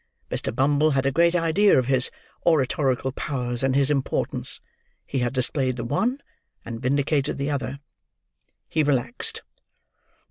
Mr. Bumble had a great idea of his oratorical powers and his importance. He had displayed the one, and vindicated the other. He relaxed.